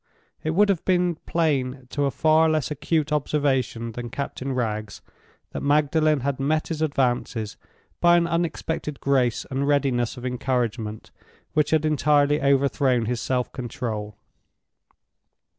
It would have been plain to a far less acute observation than Captain Wragge's, that Magdalen had met his advances by an unexpected grace and readiness of encouragement which had entirely overthrown his self control.